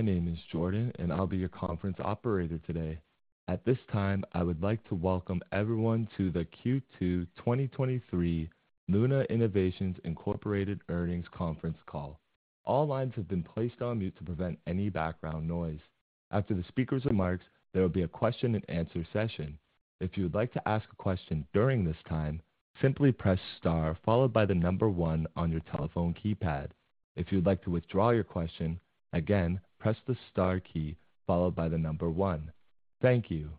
Good day. My name is Jordan, and I'll be your conference operator today. At this time, I would like to welcome everyone to the Q2 2023 Luna Innovations Incorporated Earnings Conference Call. All lines have been placed on mute to prevent any background noise. After the speaker's remarks, there will be a question and answer session. If you would like to ask a question during this time, simply press star followed by the number one on your telephone keypad. If you'd like to withdraw your question, again, press the star key followed by the number one. Thank you.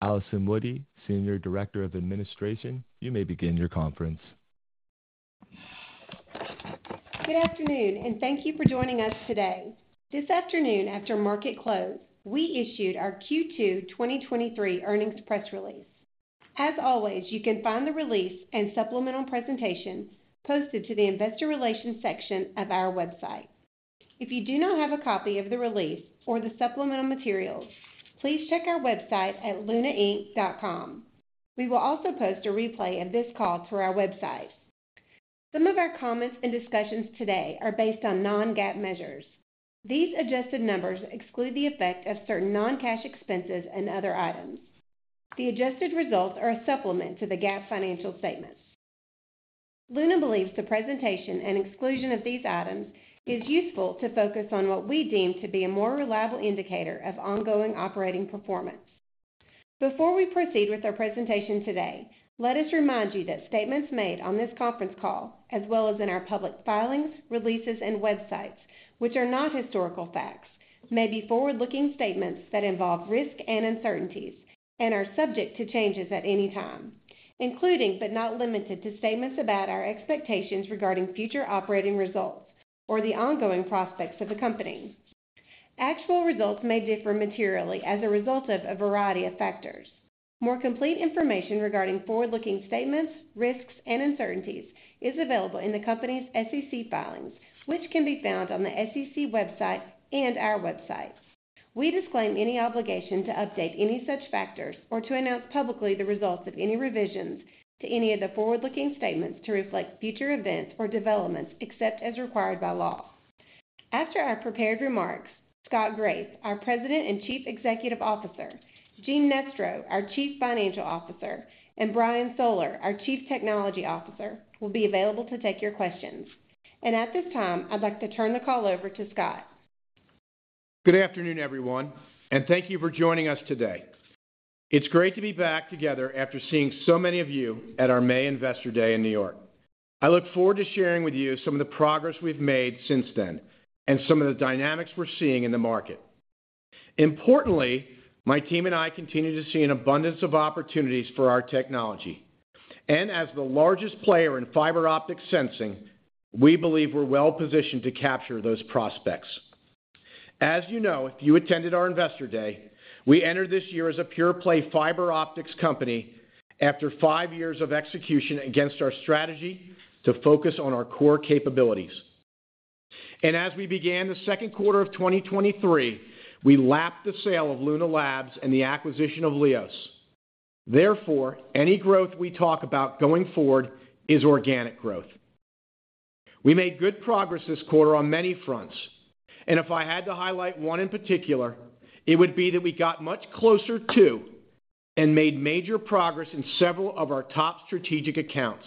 Allison Woody, Senior Director of Administration, you may begin your conference. Good afternoon, thank you for joining us today. This afternoon, after market close, we issued our Q2 2023 earnings press release. As always, you can find the release and supplemental presentations posted to the investor relations section of our website. If you do not have a copy of the release or the supplemental materials, please check our website at lunainc.com. We will also post a replay of this call to our website. Some of our comments and discussions today are based on non-GAAP measures. These adjusted numbers exclude the effect of certain non-cash expenses and other items. The adjusted results are a supplement to the GAAP financial statements. Luna believes the presentation and exclusion of these items is useful to focus on what we deem to be a more reliable indicator of ongoing operating performance. Before we proceed with our presentation today, let us remind you that statements made on this conference call, as well as in our public filings, releases, and websites, which are not historical facts, may be forward-looking statements that involve risk and uncertainties and are subject to changes at any time, including, but not limited to, statements about our expectations regarding future operating results or the ongoing prospects of the company. Actual results may differ materially as a result of a variety of factors. More complete information regarding forward-looking statements, risks, and uncertainties is available in the company's SEC filings, which can be found on the SEC website and our website. We disclaim any obligation to update any such factors or to announce publicly the results of any revisions to any of the forward-looking statements to reflect future events or developments, except as required by law. After our prepared remarks, Scott Graeff, our President and Chief Executive Officer, Gene Nestro, our Chief Financial Officer, and Brian Soller, our Chief Technology Officer, will be available to take your questions. At this time, I'd like to turn the call over to Scott. Good afternoon, everyone. Thank you for joining us today. It's great to be back together after seeing so many of you at our May Investor Day in New York. I look forward to sharing with you some of the progress we've made since then and some of the dynamics we're seeing in the market. Importantly, my team and I continue to see an abundance of opportunities for our technology. As the largest player in fiber optic sensing, we believe we're well positioned to capture those prospects. As you know, if you attended our Investor Day, we entered this year as a pure play fiber optics company after five years of execution against our strategy to focus on our core capabilities. As we began the Q2 of 2023, we lapped the sale of Luna Labs and the acquisition of LIOS. Therefore, any growth we talk about going forward is organic growth. We made good progress this quarter on many fronts, and if I had to highlight one in particular, it would be that we got much closer to and made major progress in several of our top strategic accounts.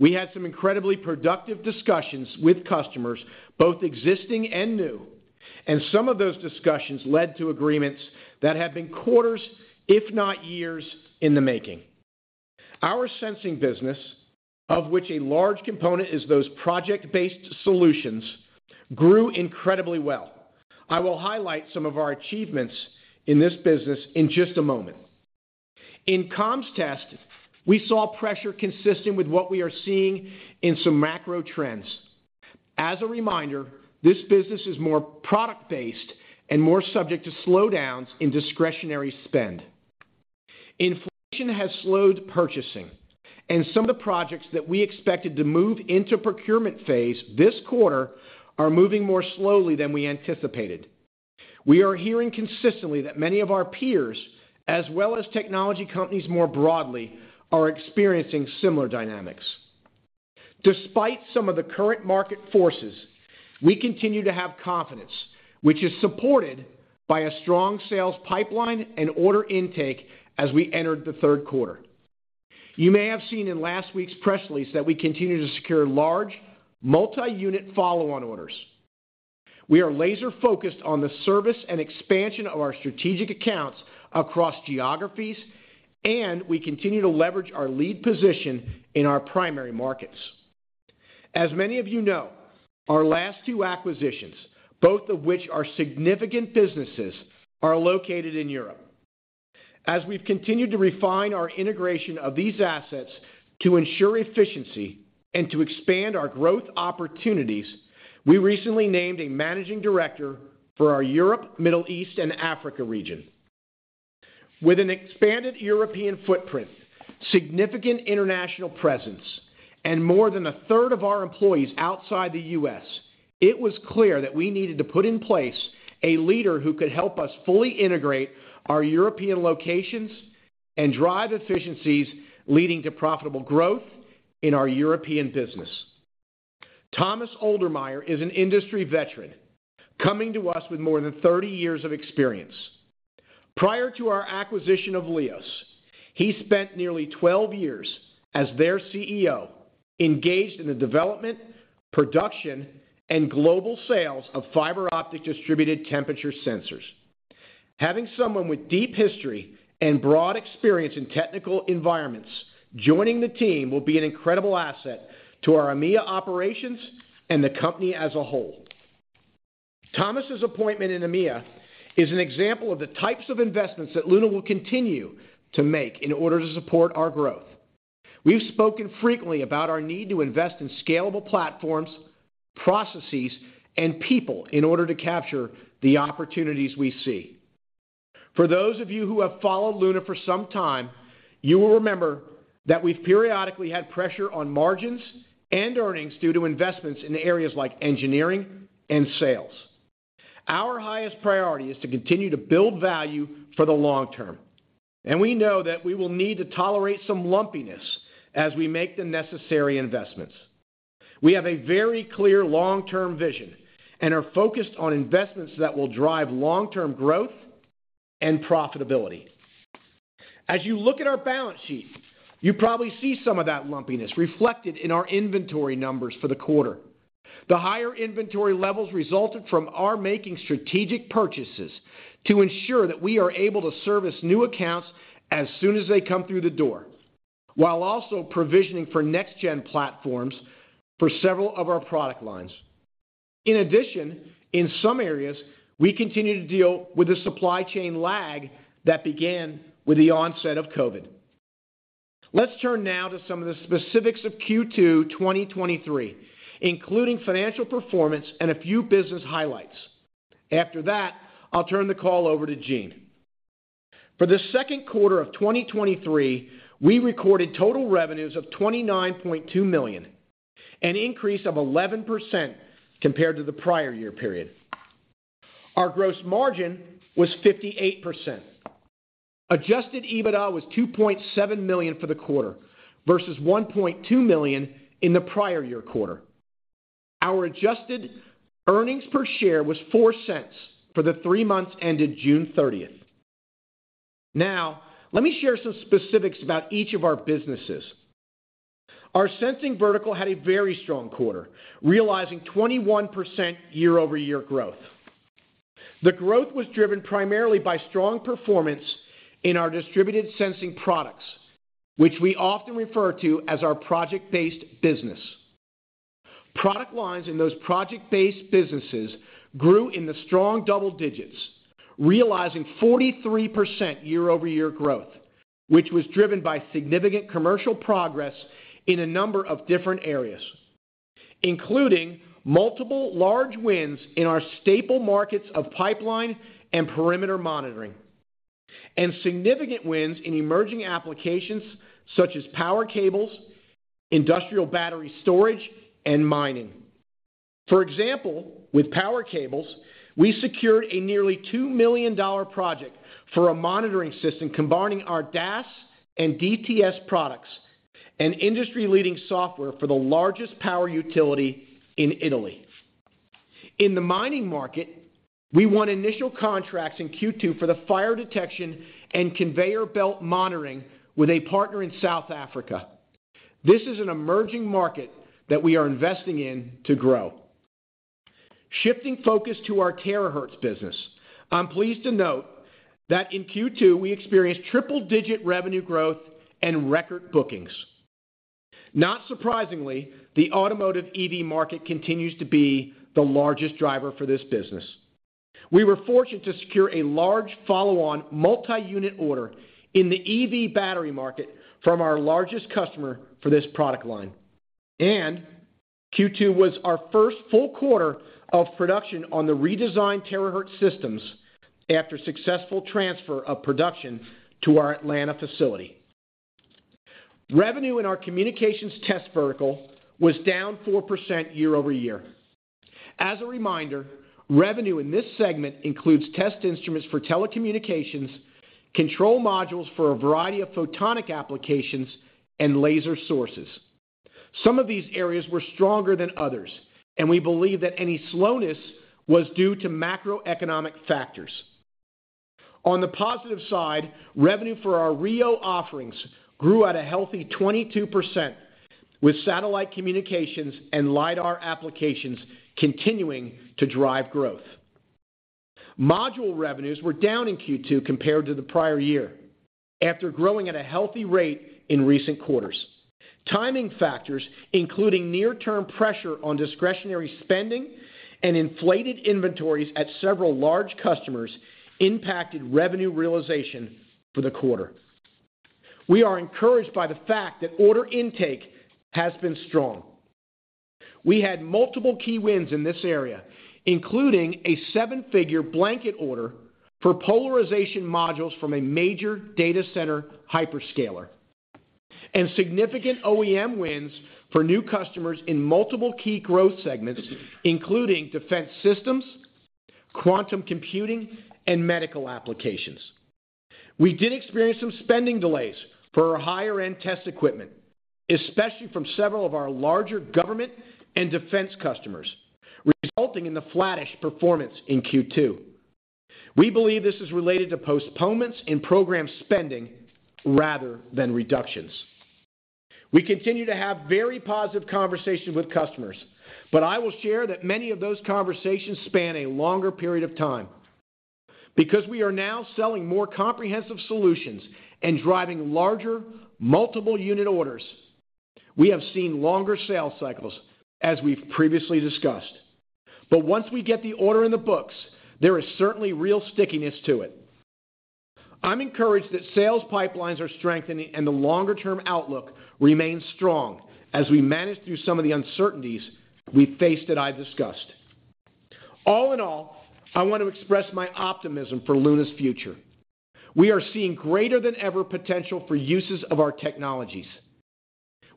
We had some incredibly productive discussions with customers, both existing and new, and some of those discussions led to agreements that have been quarters, if not years, in the making. Our sensing business, of which a large component is those project-based solutions, grew incredibly well. I will highlight some of our achievements in this business in just a moment. In comms test, we saw pressure consistent with what we are seeing in some macro trends. As a reminder, this business is more product-based and more subject to slowdowns in discretionary spend. Inflation has slowed purchasing, and some of the projects that we expected to move into procurement phase this quarter are moving more slowly than we anticipated. We are hearing consistently that many of our peers, as well as technology companies more broadly, are experiencing similar dynamics. Despite some of the current market forces, we continue to have confidence, which is supported by a strong sales pipeline and order intake as we entered the Q3. You may have seen in last week's press release that we continue to secure large multi-unit follow-on orders. We are laser focused on the service and expansion of our strategic accounts across geographies, and we continue to leverage our lead position in our primary markets. As many of you know, our last two acquisitions, both of which are significant businesses, are located in Europe. As we've continued to refine our integration of these assets to ensure efficiency and to expand our growth opportunities, we recently named a managing director for our Europe, Middle East, and Africa region. With an expanded European footprint, significant international presence, and more than a third of our employees outside the US, it was clear that we needed to put in place a leader who could help us fully integrate our European locations and drive efficiencies leading to profitable growth in our European business. Thomas Oldemeyer is an industry veteran, coming to us with more than 30 years of experience. Prior to our acquisition of LIOS, he spent nearly 12 years as their CEO, engaged in the development, production, and global sales of fiber optic distributed temperature sensors. Having someone with deep history and broad experience in technical environments joining the team will be an incredible asset to our EMEA operations and the company as a whole. Thomas's appointment in EMEA is an example of the types of investments that Luna will continue to make in order to support our growth. We've spoken frequently about our need to invest in scalable platforms, processes, and people in order to capture the opportunities we see. For those of you who have followed Luna for some time, you will remember that we've periodically had pressure on margins and earnings due to investments in areas like engineering and sales. Our highest priority is to continue to build value for the long term, and we know that we will need to tolerate some lumpiness as we make the necessary investments. We have a very clear long-term vision and are focused on investments that will drive long-term growth and profitability. As you look at our balance sheet, you probably see some of that lumpiness reflected in our inventory numbers for the quarter. The higher inventory levels resulted from our making strategic purchases to ensure that we are able to service new accounts as soon as they come through the door, while also provisioning for next gen platforms for several of our product lines. In addition, in some areas, we continue to deal with the supply chain lag that began with the onset of COVID. Let's turn now to some of the specifics of Q2 2023, including financial performance and a few business highlights. After that, I'll turn the call over to Gene. For the Q2 of 2023, we recorded total revenues of $29.2 million, an increase of 11% compared to the prior year period. Our gross margin was 58%. Adjusted EBITDA was $2.7 million for the quarter versus $1.2 million in the prior year quarter. Our adjusted earnings per share was $0.04 for the three months ended June 30th. Now, let me share some specifics about each of our businesses. Our sensing vertical had a very strong quarter, realizing 21% year-over-year growth. The growth was driven primarily by strong performance in our distributed sensing products, which we often refer to as our project-based business. Product lines in those project-based businesses grew in the strong double digits, realizing 43% year-over-year growth, which was driven by significant commercial progress in a number of different areas, including multiple large wins in our staple markets of pipeline and perimeter monitoring, and significant wins in emerging applications such as power cables, industrial battery storage, and mining. For example, with power cables, we secured a nearly $2 million project for a monitoring system combining our DAS and DTS products and industry-leading software for the largest power utility in Italy. In the mining market, we won initial contracts in Q2 for the fire detection and conveyor belt monitoring with a partner in South Africa. This is an emerging market that we are investing in to grow. Shifting focus to our Terahertz business, I'm pleased to note that in Q2, we experienced triple-digit revenue growth and record bookings. Not surprisingly, the automotive EV market continues to be the largest driver for this business. We were fortunate to secure a large follow-on multi-unit order in the EV battery market from our largest customer for this product line. Q2 was our first full quarter of production on the redesigned Terahertz systems after successful transfer of production to our Atlanta facility. Revenue in our communications test vertical was down 4% year-over-year. As a reminder, revenue in this segment includes test instruments for telecommunications, control modules for a variety of photonic applications, and laser sources. Some of these areas were stronger than others, and we believe that any slowness was due to macroeconomic factors. On the positive side, revenue for our RIO offerings grew at a healthy 22%, with satellite communications and LiDAR applications continuing to drive growth. Module revenues were down in Q2 compared to the prior year, after growing at a healthy rate in recent quarters. Timing factors, including near-term pressure on discretionary spending and inflated inventories at several large customers, impacted revenue realization for the quarter. We are encouraged by the fact that order intake has been strong. We had multiple key wins in this area, including a seven-figure blanket order for polarization modules from a major data center hyperscaler, and significant OEM wins for new customers in multiple key growth segments, including defense systems, quantum computing, and medical applications. We did experience some spending delays for our higher-end test equipment, especially from several of our larger government and defense customers, resulting in the flattish performance in Q2. We believe this is related to postponements in program spending rather than reductions. We continue to have very positive conversations with customers, I will share that many of those conversations span a longer period of time. Because we are now selling more comprehensive solutions and driving larger, multiple unit orders, we have seen longer sales cycles, as we've previously discussed. Once we get the order in the books, there is certainly real stickiness to it. I'm encouraged that sales pipelines are strengthening, and the longer-term outlook remains strong as we manage through some of the uncertainties we face that I've discussed. All in all, I want to express my optimism for Luna's future. We are seeing greater-than-ever potential for uses of our technologies.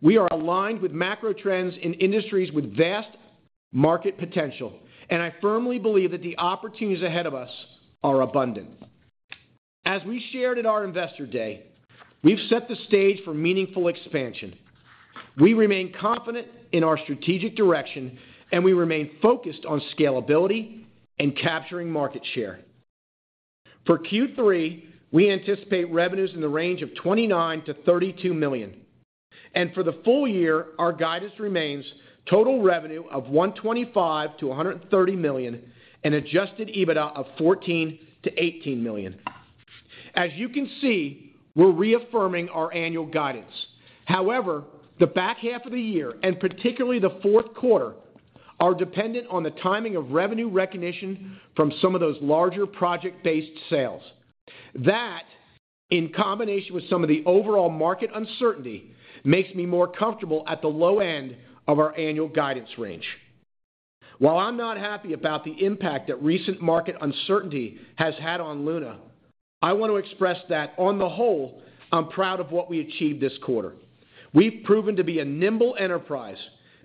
We are aligned with macro trends in industries with vast market potential, and I firmly believe that the opportunities ahead of us are abundant. As we shared at our Investor Day, we've set the stage for meaningful expansion. We remain confident in our strategic direction, and we remain focused on scalability and capturing market share. For Q3, we anticipate revenues in the range of $29 million-$32 million, and for the full year, our guidance remains total revenue of $125 million-$130 million and Adjusted EBITDA of $14 million-$18 million. As you can see, we're reaffirming our annual guidance. However, the back half of the year, and particularly the Q4, are dependent on the timing of revenue recognition from some of those larger project-based sales. That, in combination with some of the overall market uncertainty, makes me more comfortable at the low end of our annual guidance range. While I'm not happy about the impact that recent market uncertainty has had on Luna, I want to express that on the whole, I'm proud of what we achieved this quarter. We've proven to be a nimble enterprise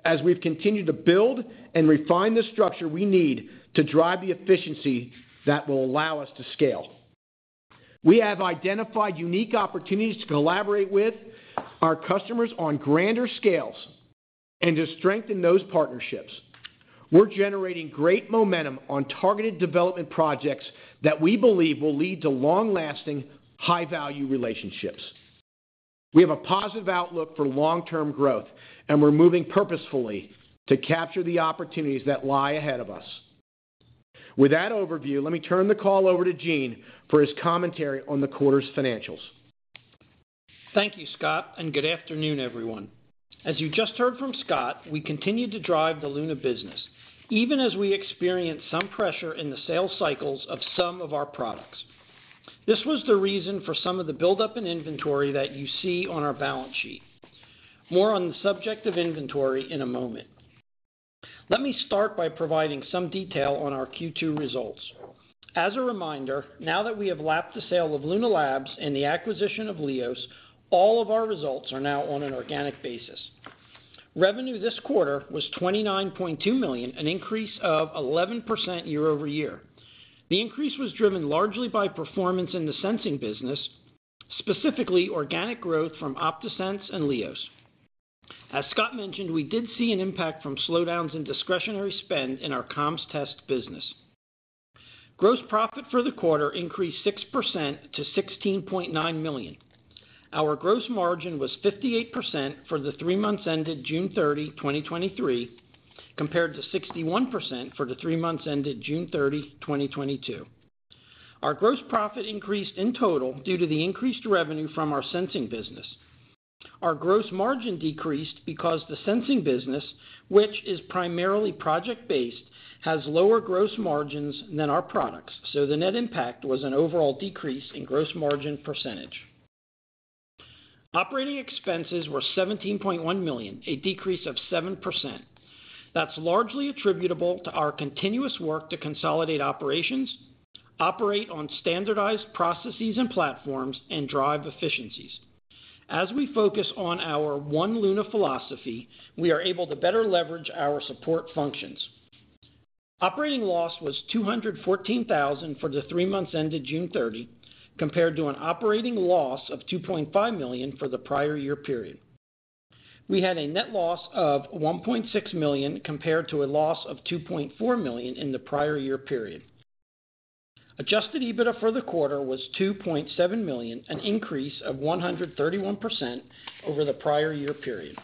as we've continued to build and refine the structure we need to drive the efficiency that will allow us to scale. We have identified unique opportunities to collaborate with our customers on grander scales and to strengthen those partnerships. We're generating great momentum on targeted development projects that we believe will lead to long-lasting, high-value relationships. We have a positive outlook for long-term growth, and we're moving purposefully to capture the opportunities that lie ahead of us. With that overview, let me turn the call over to Gene for his commentary on the quarter's financials. Thank you, Scott, good afternoon, everyone. As you just heard from Scott, we continued to drive the Luna business, even as we experienced some pressure in the sales cycles of some of our products. This was the reason for some of the buildup in inventory that you see on our balance sheet. More on the subject of inventory in a moment. Let me start by providing some detail on our Q2 results. As a reminder, now that we have lapped the sale of Luna Labs and the acquisition of LIOS, all of our results are now on an organic basis. Revenue this quarter was $29.2 million, an increase of 11% year-over-year. The increase was driven largely by performance in the sensing business, specifically organic growth from OptaSense and LIOS. As Scott mentioned, we did see an impact from slowdowns in discretionary spend in our comms test business. Gross profit for the quarter increased 6% to $16.9 million. Our gross margin was 58% for the 3 months ended June 30, 2023, compared to 61% for the 3 months ended June 30, 2022. Our gross profit increased in total due to the increased revenue from our sensing business. Our gross margin decreased because the sensing business, which is primarily project-based, has lower gross margins than our products, so the net impact was an overall decrease in gross margin percentage. Operating expenses were $17.1 million, a decrease of 7%. That's largely attributable to our continuous work to consolidate operations, operate on standardized processes and platforms, and drive efficiencies. As we focus on our One Luna philosophy, we are able to better leverage our support functions. Operating loss was $214,000 for the three months ended June 30, compared to an operating loss of $2.5 million for the prior year period. We had a net loss of $1.6 million, compared to a loss of $2.4 million in the prior year period. Adjusted EBITDA for the quarter was $2.7 million, an increase of 131% over the prior year period.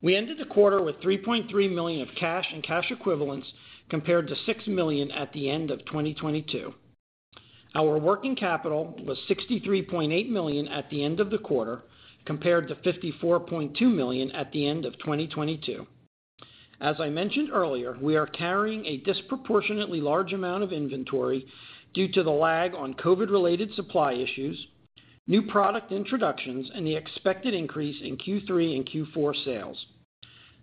We ended the quarter with $3.3 million of cash and cash equivalents, compared to $6 million at the end of 2022. Our working capital was $63.8 million at the end of the quarter, compared to $54.2 million at the end of 2022. As I mentioned earlier, we are carrying a disproportionately large amount of inventory due to the lag on COVID-related supply issues, new product introductions, and the expected increase in Q3 and Q4 sales.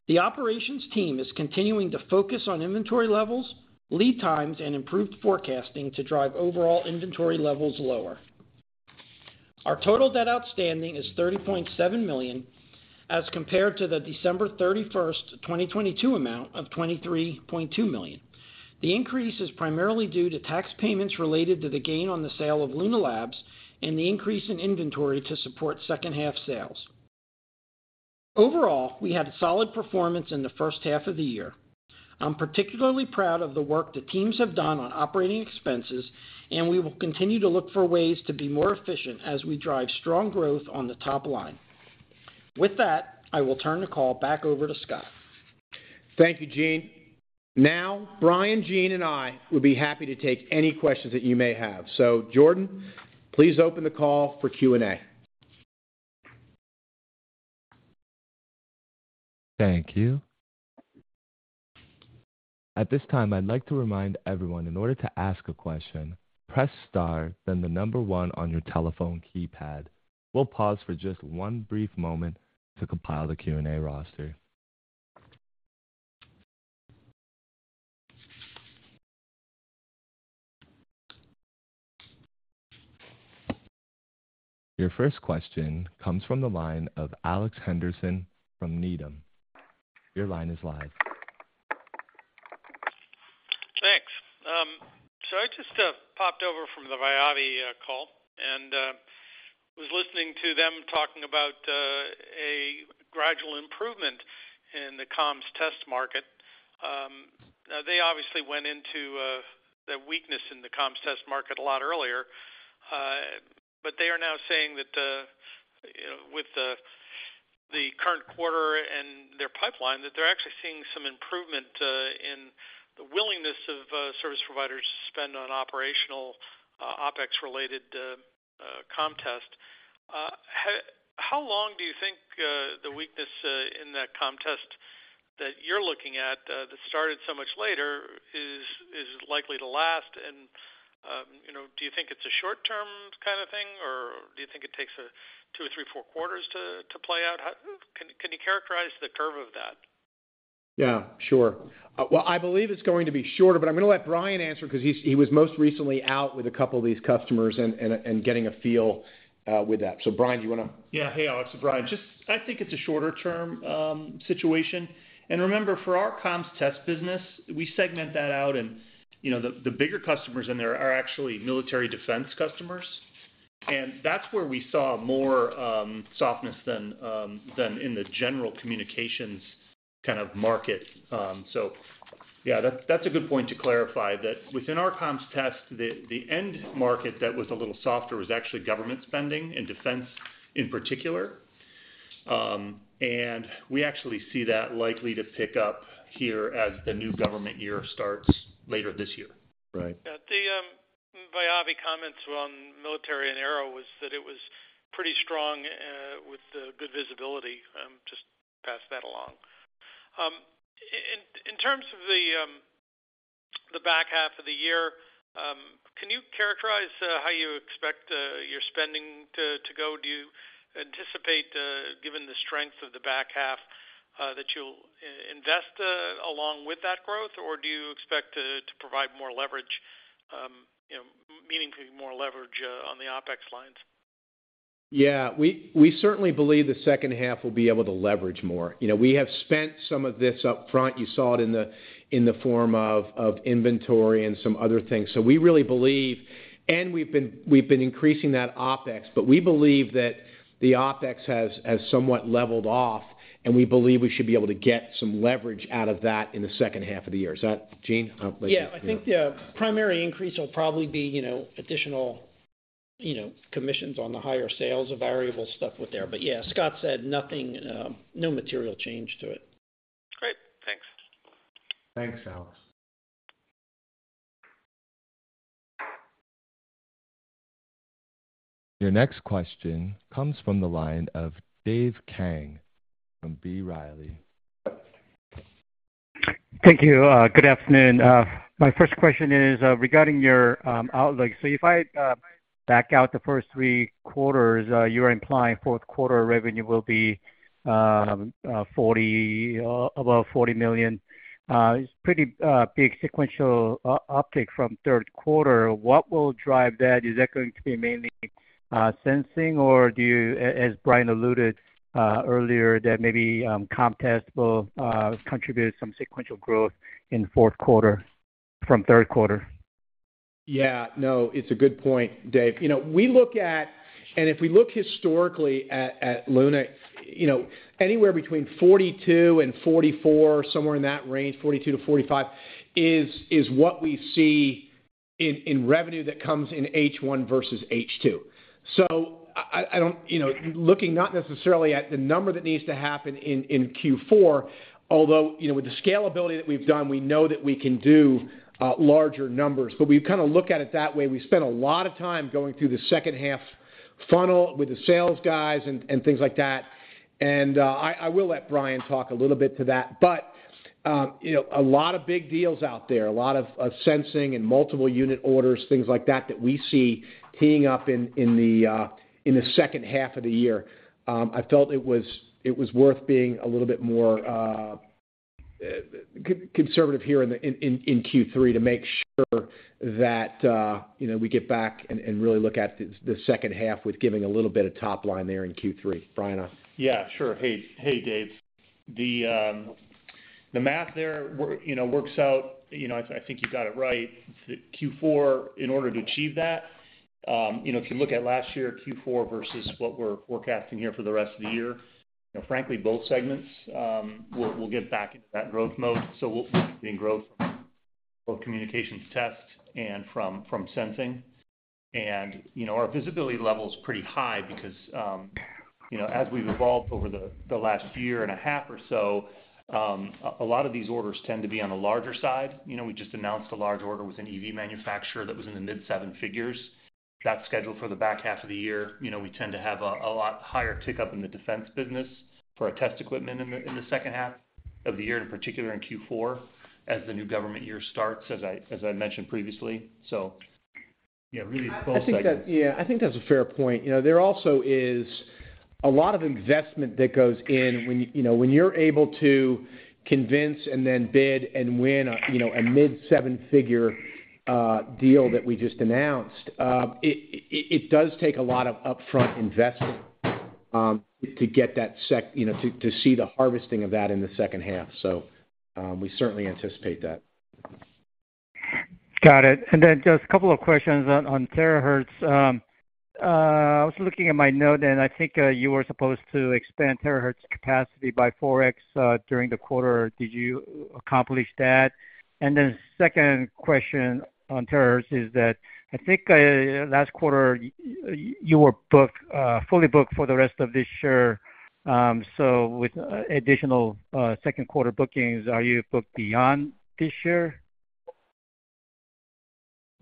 The operations team is continuing to focus on inventory levels, lead times, and improved forecasting to drive overall inventory levels lower. Our total debt outstanding is $30.7 million, as compared to the December 31st, 2022, amount of $23.2 million. The increase is primarily due to tax payments related to the gain on the sale of Luna Labs and the increase in inventory to support second-half sales. Overall, we had a solid performance in the first half of the year. I'm particularly proud of the work the teams have done on operating expenses, and we will continue to look for ways to be more efficient as we drive strong growth on the top line. With that, I will turn the call back over to Scott. Thank you, Gene. Now, Brian, Gene, and I will be happy to take any questions that you may have. Jordan, please open the call for Q&A. Thank you. At this time, I'd like to remind everyone, in order to ask a question, press Star, then the 1 on your telephone keypad. We'll pause for just 1 brief moment to compile the Q&A roster. Your first question comes from the line of Alex Henderson from Needham. Your line is live. Thanks. I just popped over from the Viavi call, and was listening to them talking about a gradual improvement in the comms test market. They obviously went into the weakness in the comms test market a lot earlier. They are now saying that, the, you know, with the, the current quarter and their pipeline, that they're actually seeing some improvement in the willingness of service providers to spend on operational, OpEx-related, comm test. How long do you think the weakness in that comm test that you're looking at, that started so much later, is, is likely to last? You know, do you think it's a short-term kind of thing, or do you think it takes a 2 or 3, 4 quarters to, to play out? Can you characterize the curve of that? Yeah, sure. Well, I believe it's going to be shorter, but I'm going to let Brian answer because he was most recently out with a couple of these customers and getting a feel with that. Brian. Yeah. Hey, Alex, Brian. Just I think it's a shorter-term situation. Remember, for our comms test business, we segment that out and, you know, the, the bigger customers in there are actually military defense customers. That's where we saw more softness than than in the general communications kind of market. Yeah, that's, that's a good point to clarify, that within our comms test, the, the end market that was a little softer was actually government spending and defense in particular. We actually see that likely to pick up here as the new government year starts later this year. Right. The Viavi comments on military and Arrow was that it was pretty strong, with the good visibility, just pass that along. In, in terms of the back half of the year, can you characterize how you expect your spending to, to go? Do you anticipate, given the strength of the back half, that you'll invest along with that growth, or do you expect to provide more leverage, you know, meaningfully more leverage on the OpEx lines? Yeah, we, we certainly believe the second half will be able to leverage more. You know, we have spent some of this up front. You saw it in the, in the form of, of inventory and some other things. We really believe, and we've been, we've been increasing that OpEx, but we believe that the OpEx has, has somewhat leveled off, and we believe we should be able to get some leverage out of that in the second half of the year. Is that Gene? Yeah. I think the primary increase will probably be, you know, additional, you know, commissions on the higher sales of variable stuff with there. Yeah, Scott said nothing, no material change to it. Great. Thanks. Thanks, Alex. Your next question comes from the line of Dave Kang from B. Riley. Thank you. Good afternoon. My first question is regarding your outlook. If I back out the first three quarters, you are implying Q4 revenue will be above $40 million. It's pretty big sequential uptick from Q3. What will drive that? Is that going to be mainly sensing, or do you, as Brian alluded, earlier, that maybe comm test will contribute some sequential growth in Q4 from Q3? Yeah. No, it's a good point, Dave. You know, if we look historically at, at Luna, you know, anywhere between 42 and 44, somewhere in that range, 42 to 45, is, is what we see in, in revenue that comes in H1 versus H2. I, I, I don't... You know, looking not necessarily at the number that needs to happen in, in Q4, although, you know, with the scalability that we've done, we know that we can do larger numbers. We kind of look at it that way. We spent a lot of time going through the second half funnel with the sales guys and, and things like that. I, I will let Brian talk a little bit to that. You know, a lot of big deals out there, a lot of, of sensing and multiple unit orders, things like that, that we see teeing up in the second half of the year. I felt it was, it was worth being a little bit more conservative here in Q3 to make sure that, you know, we get back and, and really look at the second half with giving a little bit of top line there in Q3. Brian? Yeah, sure. Hey, hey, Dave. The math there, you know, works out. You know, I think you got it right, that Q4, in order to achieve that, you know, if you look at last year, Q4, versus what we're forecasting here for the rest of the year, you know, frankly, both segments, will get back into that growth mode. We'll see the growth, both communications test and from sensing. Our visibility level is pretty high because, you know, as we've evolved over the last year and a half or so, a lot of these orders tend to be on the larger side. You know, we just announced a large order with an EV manufacturer that was in the mid seven figures. That's scheduled for the back half of the year. You know, we tend to have a, a lot higher tick up in the defense business for our test equipment in the, in the second half of the year, in particular in Q4, as the new government year starts, as I, as I mentioned previously. yeah, really. I think that, yeah, I think that's a fair point. You know, there also is a lot of investment that goes in when, you know, when you're able to convince and then bid and win a, you know, a mid seven-figure deal that we just announced, it, it, it does take a lot of upfront investment to get that you know, to see the harvesting of that in the second half. We certainly anticipate that. Got it. Just a couple of questions on Terahertz. I was looking at my note, and I think you were supposed to expand Terahertz capacity by 4x during the quarter. Did you accomplish that? Second question on Terahertz is that I think last quarter, you were booked, fully booked for the rest of this year. With additional Q2 bookings, are you booked beyond this year?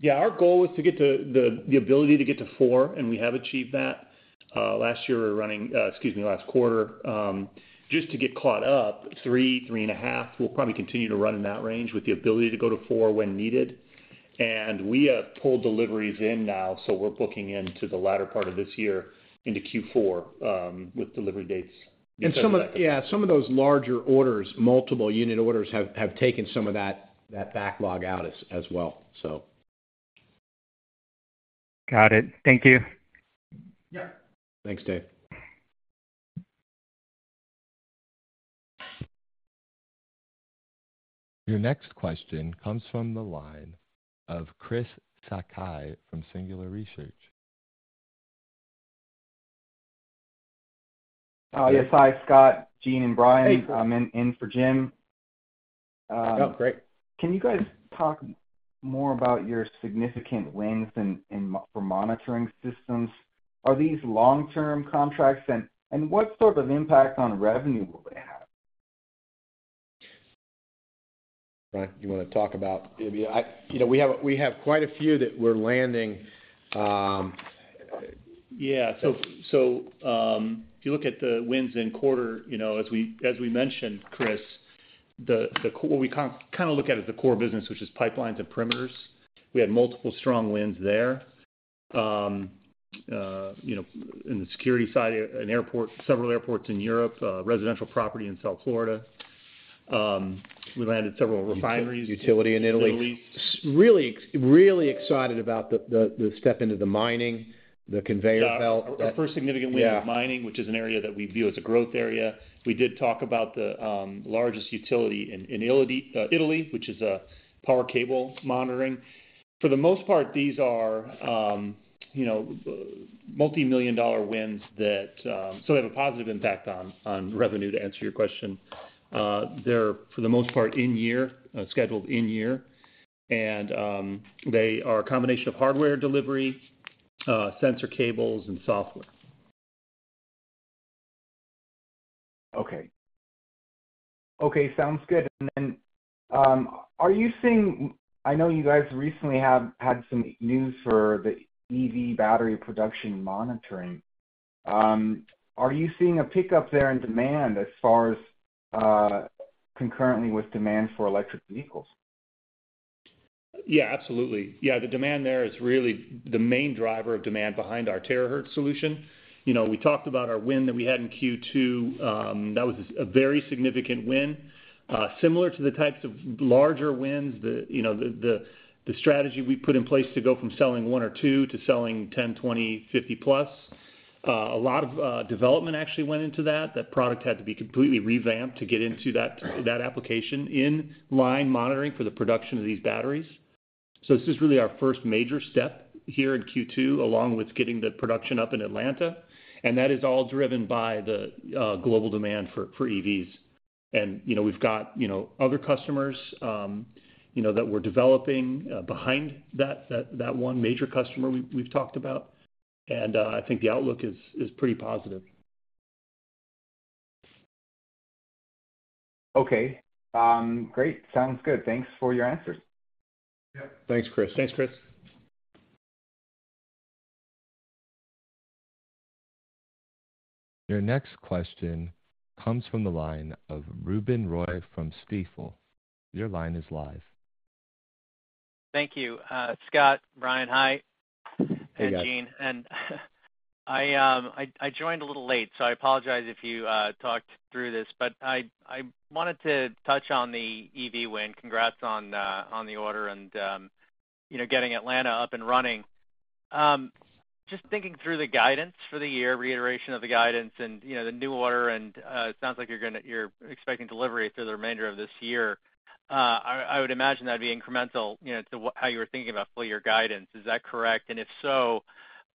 Yeah, our goal was to get to the, the ability to get to 4, and we have achieved that. Last year, we were running, excuse me, last quarter, just to get caught up 3, 3.5. We'll probably continue to run in that range with the ability to go to 4 when needed. We have pulled deliveries in now, so we're booking into the latter part of this year into Q4, with delivery dates. Some of those larger orders, multiple unit orders, have taken some of that backlog out as well. Got it. Thank you. Yeah. Thanks, Dave. Your next question comes from the line of Chris Sakai from Singular Research. Oh, yes. Hi, Scott, Gene, and Brian. Hey. I'm in, in for Jim. Oh, great. Can you guys talk more about your significant wins in for monitoring systems? Are these long-term contracts, and what sort of impact on revenue will they have? Brian, you wanna talk about... You know, we have, we have quite a few that we're landing. Yeah. If you look at the wins in quarter, you know, as we, as we mentioned, Chris, we kind, kind of look at it, the core business, which is pipelines and perimeters. We had multiple strong wins there. You know, in the security side, an airport, several airports in Europe, residential property in South Florida. We landed several refineries- Utility in Italy. Italy. Really, really excited about the, the, the step into the mining, the conveyor belt. Yeah. Our first significant win- Yeah... in mining, which is an area that we view as a growth area. We did talk about the largest utility in Italy, which is a power cable monitoring. For the most part, these are, you know, multimillion-dollar wins that, they have a positive impact on revenue, to answer your question. They're, for the most part, in year, scheduled in year, and they are a combination of hardware delivery, sensor cables and software. Okay. Okay, sounds good. I know you guys recently have had some news for the EV battery production monitoring. Are you seeing a pickup there in demand as far as concurrently with demand for electric vehicles? Yeah, absolutely. Yeah, the demand there is really the main driver of demand behind our Terahertz solution. You know, we talked about our win that we had in Q2. That was a very significant win, similar to the types of larger wins the, you know, the, the, the strategy we put in place to go from selling 1 or 2 to selling 10, 20, 50+. A lot of development actually went into that. That product had to be completely revamped to get into that, that application in line monitoring for the production of these batteries. So this is really our first major step here in Q2, along with getting the production up in Atlanta, and that is all driven by the global demand for, for EVs. you know, we've got, you know, other customers, you know, that we're developing, behind that, that, that one major customer we, we've talked about. I think the outlook is, is pretty positive. Okay. Great. Sounds good. Thanks for your answers. Yeah. Thanks, Chris. Thanks, Chris. Your next question comes from the line of Ruben Roy from Stifel. Your line is live. Thank you. Scott, Brian, hi. Hey, guys. Gene, and I, I joined a little late, so I apologize if you talked through this, but I, I wanted to touch on the EV win. Congrats on on the order and, you know, getting Atlanta up and running. Just thinking through the guidance for the year, reiteration of the guidance and, you know, the new order and it sounds like you're expecting delivery through the remainder of this year. I, I would imagine that'd be incremental, you know, to how you were thinking about full year guidance. Is that correct? If so,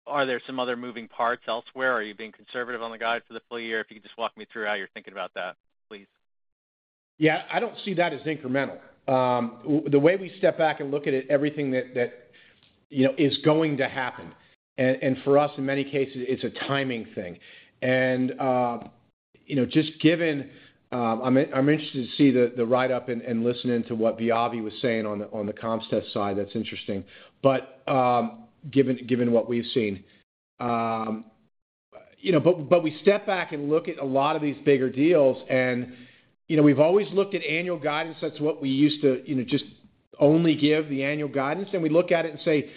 are there some other moving parts elsewhere? Are you being conservative on the guide for the full year? If you could just walk me through how you're thinking about that, please. Yeah, I don't see that as incremental. The way we step back and look at it, everything that, that, you know, is going to happen, for us, in many cases, it's a timing thing. You know, just given, I'm, I'm interested to see the, the write-up and, and listening to what Viavi was saying on the, on the Comstet side. That's interesting. Given, given what we've seen. You know, we step back and look at a lot of these bigger deals, and, you know, we've always looked at annual guidance. That's what we used to, you know, just only give the annual guidance. We look at it and say,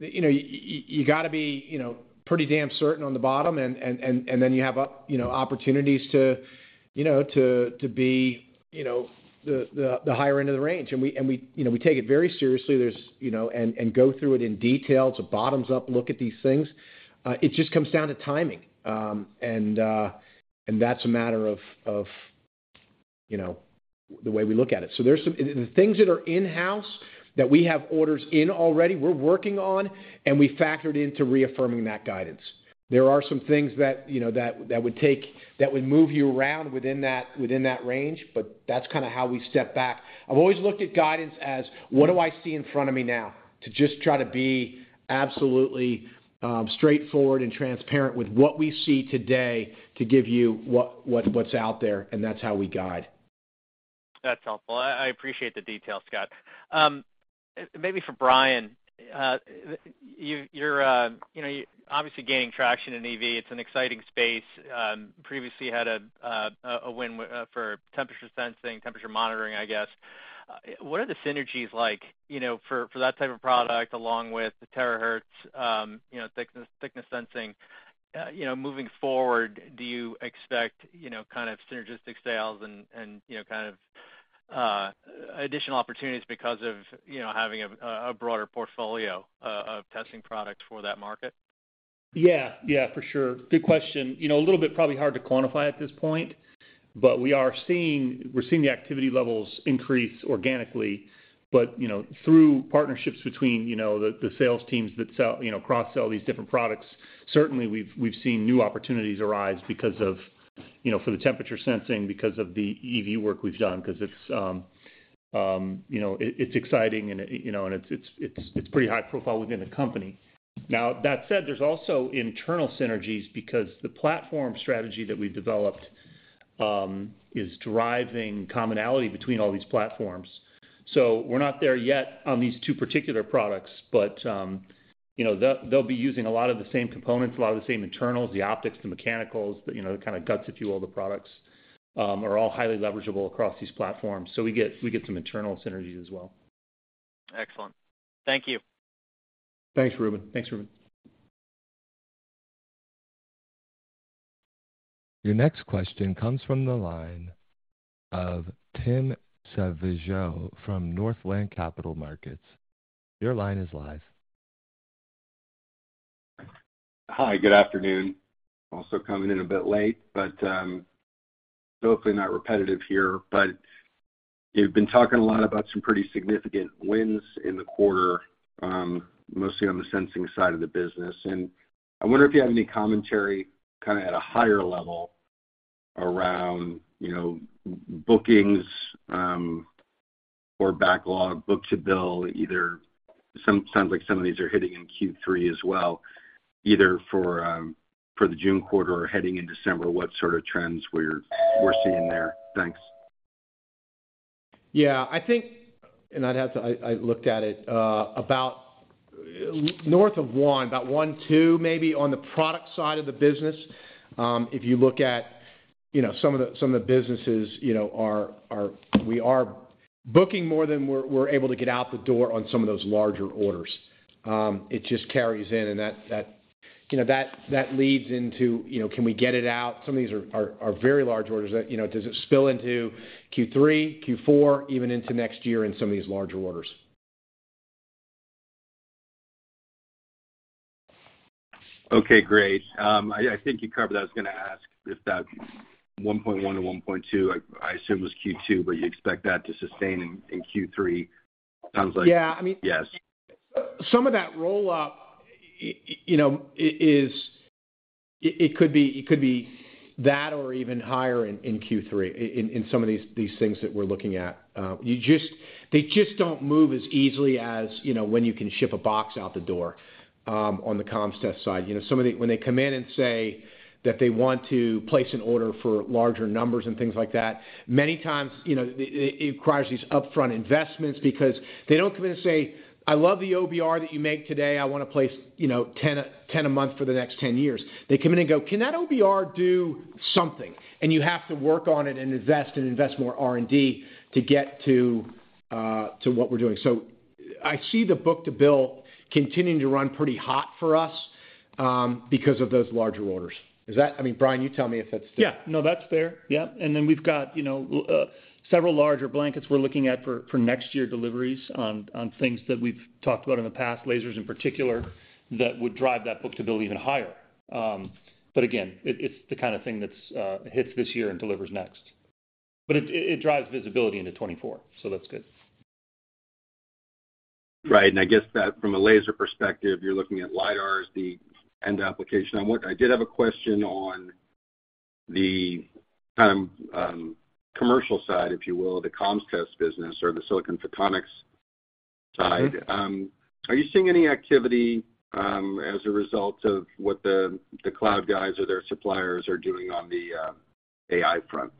you know, you gotta be, you know, pretty damn certain on the bottom, and then you have up, you know, opportunities to be, you know, the higher end of the range. We, and we, you know, we take it very seriously. There's. Go through it in detail. It's a bottoms-up look at these things. It just comes down to timing, and that's a matter of, of, you know, the way we look at it. There's some. The things that are in-house, that we have orders in already, we're working on, and we factored into reaffirming that guidance. There are some things that, you know, that, that would take, that would move you around within that, within that range, but that's kinda how we step back. I've always looked at guidance as what do I see in front of me now, to just try to be absolutely straightforward and transparent with what we see today, to give you what, what, what's out there, and that's how we guide. That's helpful. I, I appreciate the detail, Scott. Maybe for Brian, you know, obviously gaining traction in EV. It's an exciting space. Previously had a win for temperature sensing, temperature monitoring, I guess. What are the synergies like, you know, for that type of product, along with the Terahertz, you know, thickness sensing? You know, moving forward, do you expect, you know, kind of synergistic sales and, you know, kind of additional opportunities because of, you know, having a broader portfolio, of testing products for that market? Yeah, yeah, for sure. Good question. You know, a little bit probably hard to quantify at this point, we're seeing the activity levels increase organically. You know, through partnerships between, you know, the, the sales teams that sell, you know, cross-sell these different products, certainly we've, we've seen new opportunities arise because of, you know, for the temperature sensing, because of the EV work we've done, 'cause it's, you know, it, it's exciting and, you know, and it's pretty high profile within the company. That said, there's also internal synergies because the platform strategy that we've developed, is deriving commonality between all these platforms. We're not there yet on these two particular products, but, you know, they'll, they'll be using a lot of the same components, a lot of the same internals, the optics, the mechanicals, but, you know, the kind of guts, if you will, of the products, are all highly leverageable across these platforms. We get, we get some internal synergies as well. Excellent. Thank you. Thanks, Ruben. Thanks, Ruben. Your next question comes from the line of Tim Savageaux from Northland Capital Markets. Your line is live. Hi, good afternoon. Also coming in a bit late, but, hopefully not repetitive here. You've been talking a lot about some pretty significant wins in the quarter, mostly on the sensing side of the business. I wonder if you have any commentary, kind of at a higher level, around, you know, bookings, or backlog, book-to-bill, either. Sounds like some of these are hitting in Q3 as well, either for, for the June quarter or heading in December. What sort of trends we're, we're seeing there? Thanks. Yeah, I think, I'd have to. I, I looked at it, about north of 1, about 1, 2, maybe on the product side of the business. If you look at, you know, some of the, some of the businesses, you know, we are booking more than we're, we're able to get out the door on some of those larger orders. It just carries in, you know, leads into, you know, can we get it out? Some of these are very large orders that, you know, does it spill into Q3, Q4, even into next year in some of these larger orders? Okay, great. I, I think you covered what I was gonna ask. If that 1.1 to 1.2, I, I assume, was Q2, but you expect that to sustain in Q3? Sounds like... Yeah, I mean- Yes. Some of that roll-up, you know, is. It could be, it could be that or even higher in Q3 in some of these things that we're looking at. They just don't move as easily as, you know, when you can ship a box out the door on the Comstet side. You know, some of the when they come in and say that they want to place an order for larger numbers and things like that, many times, you know, it requires these upfront investments because they don't come in and say: "I love the OBR that you make today. I want to place, you know, 10, 10 a month for the next 10 years." They come in and go: "Can that OBR do something? You have to work on it and invest and invest more R&D to get to what we're doing. I see the book-to-bill continuing to run pretty hot for us because of those larger orders. I mean, Brian, you tell me if that's- Yeah. No, that's fair. Yeah, then we've got, you know, several larger blankets we're looking at for next year deliveries on things that we've talked about in the past, lasers in particular, that would drive that book-to-bill even higher. Again, it, it's the kind of thing that hits this year and delivers next. It, it drives visibility into 2024, so that's good. Right. I guess that from a laser perspective, you're looking at LiDAR as the end application. I want-- I did have a question on the commercial side, if you will, the comms test business or the silicon photonics side? Mm-hmm. Are you seeing any activity, as a result of what the cloud guys or their suppliers are doing on the AI front?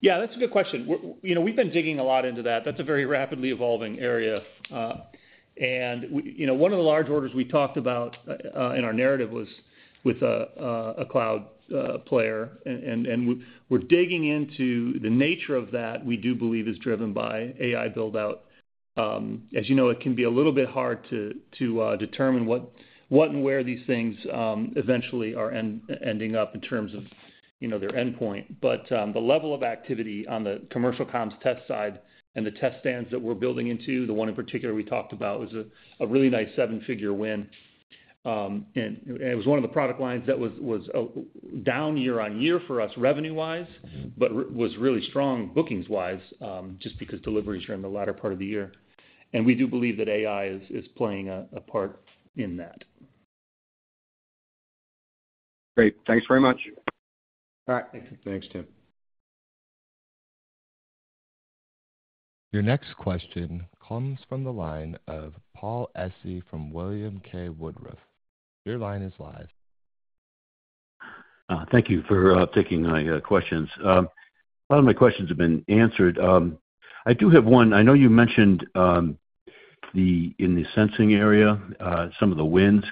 Yeah, that's a good question. You know, we've been digging a lot into that. That's a very rapidly evolving area. We... You know, one of the large orders we talked about in our narrative was with a, a, a cloud player. We're digging into the nature of that, we do believe is driven by AI build-out. As you know, it can be a little bit hard to determine what and where these things eventually are ending up in terms of, you know, their endpoint. The level of activity on the commercial comms test side and the test stands that we're building into, the one in particular we talked about, was a really nice seven-figure win. It was one of the product lines that was, was down year-on-year for us, revenue-wise. Mm-hmm was really strong bookings-wise, just because deliveries are in the latter part of the year. We do believe that AI is, is playing a, a part in that. Great. Thanks very much. All right. Thanks, Tim. Your next question comes from the line of Paul Essey from William K. Woodruff. Your line is live. Thank you for taking my questions. A lot of my questions have been answered. I do have one. I know you mentioned the, in the sensing area, some of the wins.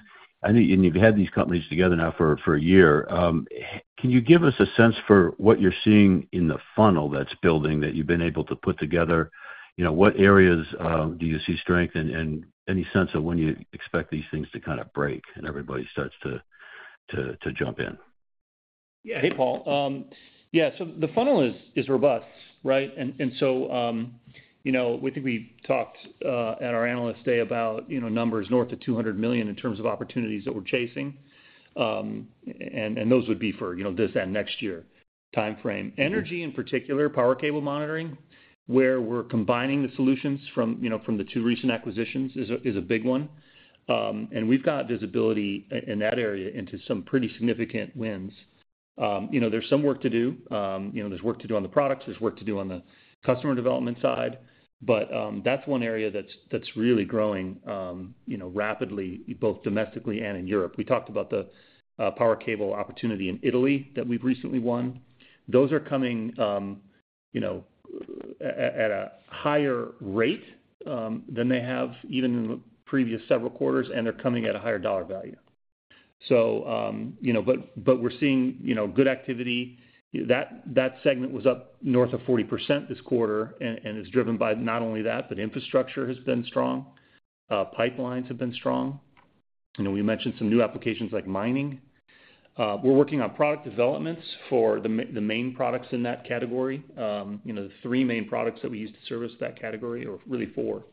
I think, you've had these companies together now for, for a year. Can you give us a sense for what you're seeing in the funnel that's building, that you've been able to put together? You know, what areas do you see strength and any sense of when you expect these things to kind of break and everybody starts to jump in? Yeah. Hey, Paul. Yeah, so the funnel is, is robust, right? You know, we think we talked at our Analyst Day about, you know, numbers north of $200 million in terms of opportunities that we're chasing. Those would be for, you know, this and next year timeframe. Energy, in particular, power cable monitoring, where we're combining the solutions from, you know, from the 2 recent acquisitions, is a, is a big one. We've got visibility in that area into some pretty significant wins. You know, there's some work to do. You know, there's work to do on the products, there's work to do on the customer development side, but that's one area that's, that's really growing, you know, rapidly, both domestically and in Europe. We talked about the power cable opportunity in Italy that we've recently won. Those are coming, you know, at, at, at a higher rate than they have even in the previous several quarters, and they're coming at a higher dollar value. You know, but, but we're seeing, you know, good activity. That, that segment was up north of 40% this quarter, and, and is driven by not only that, but infrastructure has been strong, pipelines have been strong. You know, we mentioned some new applications like mining. We're working on product developments for the main products in that category. You know, the 3 main products that we use to service that category, or really 4.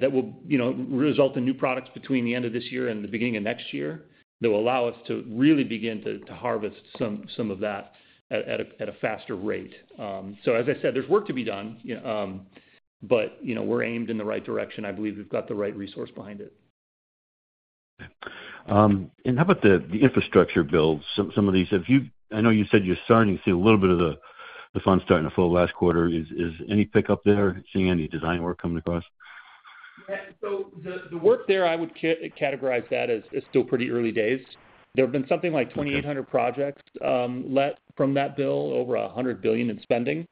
That will, you know, result in new products between the end of this year and the beginning of next year, that will allow us to really begin to, to harvest some, some of that at a, at a faster rate. As I said, there's work to be done, you know, we're aimed in the right direction. I believe we've got the right resource behind it. How about the, the infrastructure build? Some, some of these... Have you-- I know you said you're starting to see a little bit of the, the funds starting to flow last quarter. Is, is any pickup there? Seeing any design work coming across? Yeah. The, the work there, I would categorize that as, as still pretty early days. Okay. There have been something like 2,800 projects, let from that bill, over $100 billion in spending.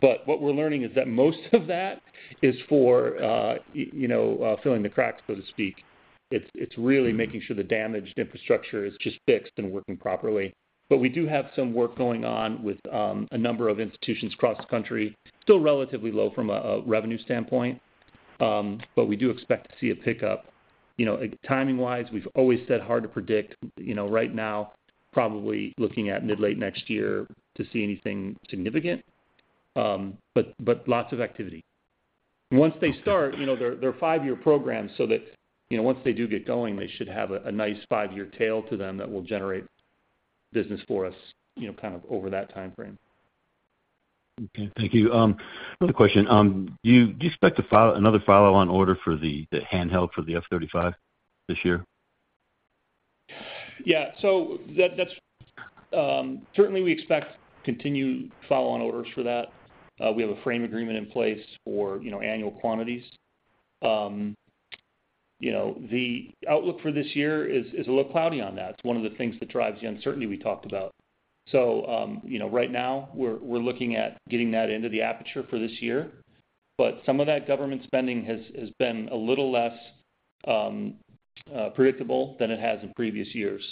What we're learning is that most of that is for, you know, filling the cracks, so to speak. It's, it's really making sure. Mm-hmm... the damaged infrastructure is just fixed and working properly. We do have some work going on with, a number of institutions across the country. Still relatively low from a, a revenue standpoint, but we do expect to see a pickup. You know, timing-wise, we've always said, hard to predict. You know, right now, probably looking at mid-late next year to see anything significant, but, but lots of activity. Okay. Once they start, you know, they're, they're five-year programs, so that, you know, once they do get going, they should have a, a nice five-year tail to them that will generate business for us, you know, kind of over that timeframe. Okay. Thank you. Another question: Do you expect another follow-on order for the, the handheld for the F-35 this year? Yeah. That, that's, certainly, we expect continued follow-on orders for that. We have a frame agreement in place for, you know, annual quantities. You know, the outlook for this year is, is a little cloudy on that. It's one of the things that drives the uncertainty we talked about. You know, right now we're, we're looking at getting that into the aperture for this year, but some of that government spending has, has been a little less predictable than it has in previous years.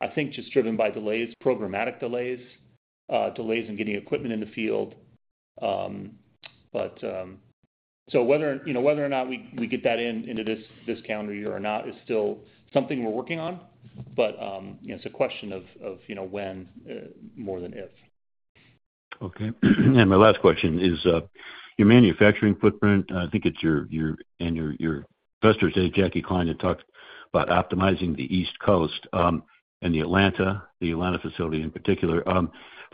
I think just driven by delays, programmatic delays, delays in getting equipment in the field. Whether, you know, whether or not we, we get that in, into this, this calendar year or not is still something we're working on. you know, it's a question of, of, you know, when, more than if. Okay. My last question is, your manufacturing footprint, I think it's your, your, and your, your investors say, Jacki Klein had talked about optimizing the East Coast, and the Atlanta, the Atlanta facility in particular.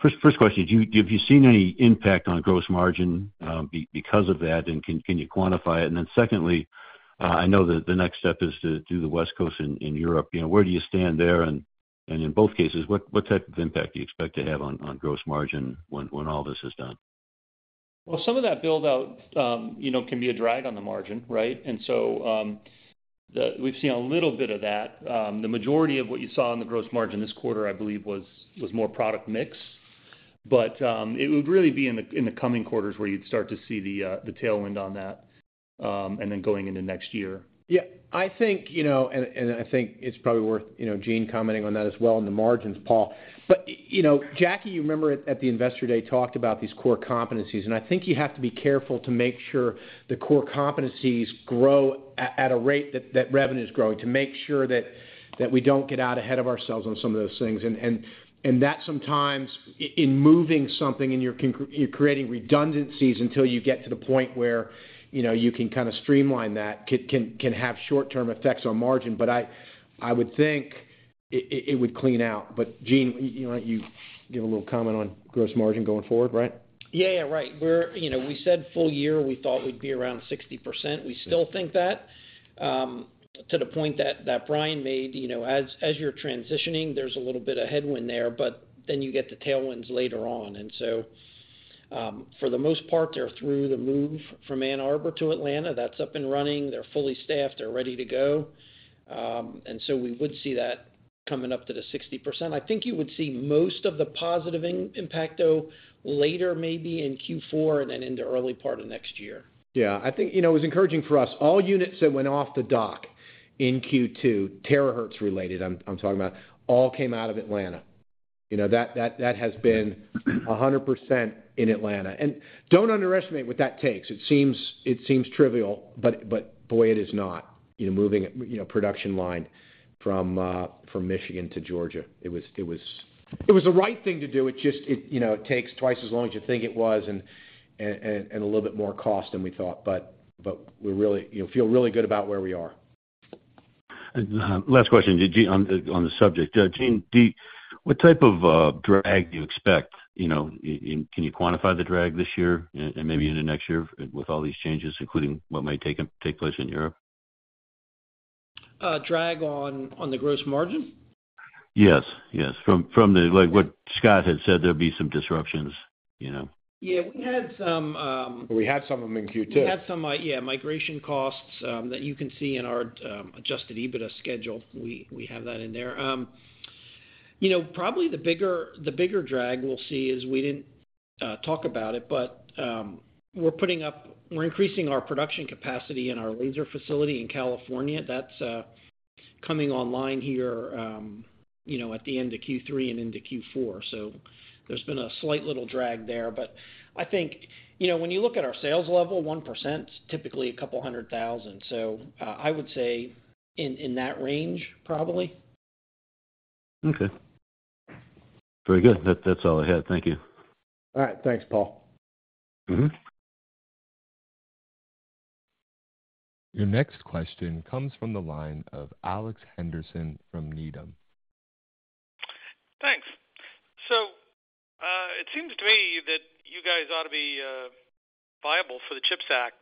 First question: do you, have you seen any impact on gross margin because of that, and can, can you quantify it? Then secondly, I know that the next step is to do the West Coast and, and Europe. You know, where do you stand there? In both cases, what, what type of impact do you expect to have on, on gross margin when, when all this is done? Well, some of that build-out, you know, can be a drag on the margin, right? We've seen a little bit of that. The majority of what you saw in the gross margin this quarter, I believe, was, was more product mix. It would really be in the, in the coming quarters where you'd start to see the, the tailwind on that, going into next year. Yeah, I think, you know, I think it's probably worth, you know, Gene commenting on that as well in the margins, Paul. You know, Jackie, you remember at, at the Investor Day, talked about these core competencies, and I think you have to be careful to make sure the core competencies grow at, at a rate that, that revenue is growing, to make sure that, that we don't get out ahead of ourselves on some of those things. That sometimes in moving something, and you're creating redundancies until you get to the point where, you know, you can kind of streamline that, can, can, can have short-term effects on margin. I would think it would clean out. Gene, you know, you give a little comment on gross margin going forward, right? Yeah, yeah, right. We're, you know, we said full year, we thought we'd be around 60%. We still think that. To the point that, that Brian made, you know, as, as you're transitioning, there's a little bit of headwind there, but then you get the tailwinds later on. For the most part, they're through the move from Ann Arbor to Atlanta. That's up and running. They're fully staffed. They're ready to go. we would see that coming up to the 60%. I think you would see most of the positive impact, though, later, maybe in Q4 and then into early part of next year. Yeah, I think, you know, it was encouraging for us. All units that went off the dock in Q2, Terahertz related, I'm talking about, all came out of Atlanta. You know, that, that, that has been 100% in Atlanta. Don't underestimate what that takes. It seems, it seems trivial, but, but boy, it is not. You know, moving, you know, production line from Michigan to Georgia. It was the right thing to do. You know, it takes twice as long as you think it was and, and, and, and a little bit more cost than we thought, but, but we're really, you know, feel really good about where we are. Last question, Gene, on the, on the subject. Gene, what type of drag do you expect? You know, and can you quantify the drag this year and, and maybe into next year with all these changes, including what might take place in Europe? Drag on, on the gross margin? Yes, yes. From the, like what Scott had said, there'd be some disruptions, you know? Yeah, we had some. We had some of them in Q2. We had some, yeah, migration costs that you can see in our Adjusted EBITDA schedule. We, we have that in there. you know, probably the bigger, the bigger drag we'll see is, we didn't talk about it, but we're increasing our production capacity in our laser facility in California. That's coming online here, you know, at the end of Q3 and into Q4. there's been a slight little drag there, but I think, you know, when you look at our sales level, 1% is typically $200,000. I would say in that range, probably. Okay. Very good. That's all I had. Thank you. All right. Thanks, Paul. Mm-hmm. Your next question comes from the line of Alex Henderson from Needham. Thanks. It seems to me that you guys ought to be viable for the CHIPS Act,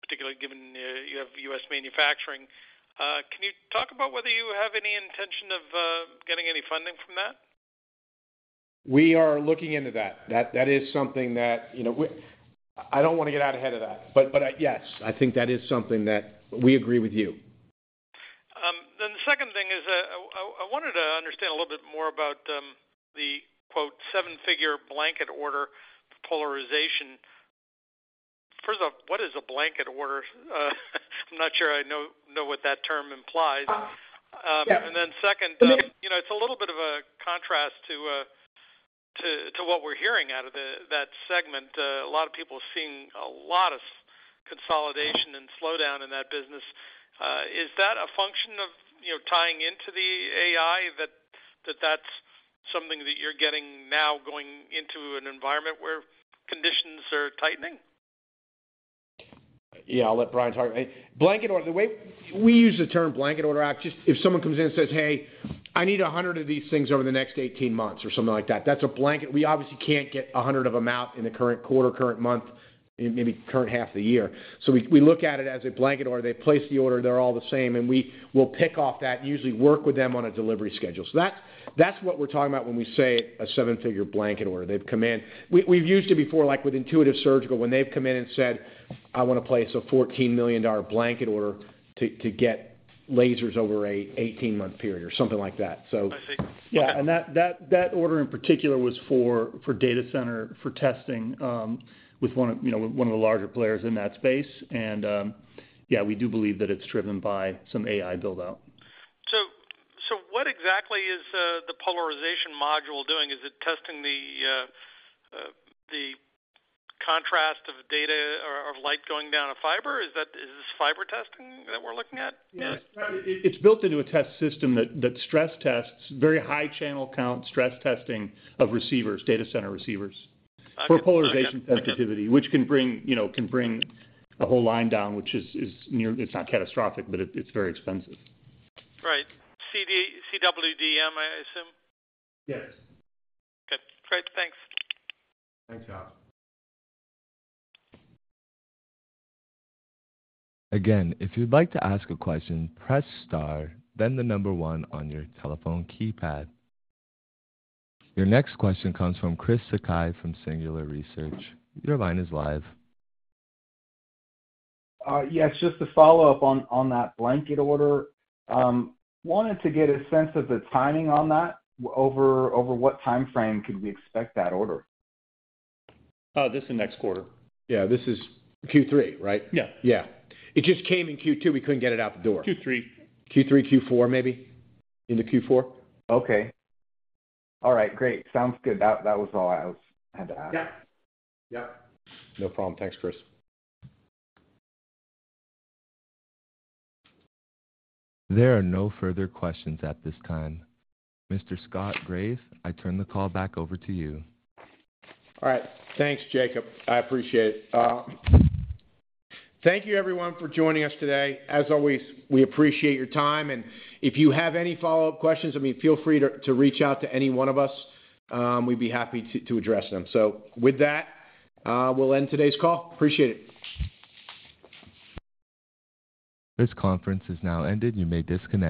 particularly given, you have U.S. manufacturing. Can you talk about whether you have any intention of getting any funding from that? We are looking into that. That is something that, you know, I don't want to get out ahead of that, but, yes, I think that is something that we agree with you. The second thing is, I wanted to understand a little bit more about the quote, "seven-figure blanket order polarization." First off, what is a blanket order? I'm not sure I know what that term implies. yeah. Then second, you know, it's a little bit of a contrast to, to, to what we're hearing out of that segment. A lot of people are seeing a lot of consolidation and slowdown in that business. Is that a function of, you know, tying into the AI, that, that that's something that you're getting now going into an environment where conditions are tightening? Yeah, I'll let Brian talk. Blanket order, we use the term blanket order, just if someone comes in and says: Hey, I need 100 of these things over the next 18 months, or something like that. That's a blanket. We obviously can't get 100 of them out in the current quarter, current month, maybe current half of the year. We look at it as a blanket order. They place the order, they're all the same. We will pick off that, usually work with them on a delivery schedule. That's what we're talking about when we say a 7-figure blanket order. They've come in... We've used it before, like with Intuitive Surgical, when they've come in and said: I want to place a $14 million blanket order to get... lasers over a 18-month period or something like that, so- I see. Yeah, and that, that, that order in particular was for, for data center, for testing, with one of, you know, one of the larger players in that space. Yeah, we do believe that it's driven by some AI build-out. What exactly is the polarization module doing? Is it testing the contrast of data or light going down a fiber? Is that, is this fiber testing that we're looking at? Yeah. It, it's built into a test system that, that stress tests very high channel count, stress testing of receivers, data center receivers- Okay. -for polarization sensitivity, which can bring, you know, can bring a whole line down, which is, is near, it's not catastrophic, but it's very expensive. Right. CD- CWDM, I assume? Yes. Good. Great. Thanks. Thanks, Alex. Again, if you'd like to ask a question, press star, then 1 on your telephone keypad. Your next question comes from Chris Sakai, from Singular Research. Your line is live. Yes, just to follow up on that blanket order. Wanted to get a sense of the timing on that. Over what time frame could we expect that order? Oh, this is next quarter. Yeah. This is Q3, right? Yeah. Yeah. It just came in Q2, we couldn't get it out the door. Q3. Q3, Q4, maybe? Into Q4. Okay. All right, great. Sounds good. That was all I was had to ask. Yeah. Yeah. No problem. Thanks, Chris. There are no further questions at this time. Mr. Scott Graeff, I turn the call back over to you. All right. Thanks, Jacob. I appreciate it. Thank you, everyone, for joining us today. As always, we appreciate your time, and if you have any follow-up questions, I mean, feel free to, to reach out to any one of us, we'd be happy to, to address them. With that, we'll end today's call. Appreciate it. This conference is now ended. You may disconnect.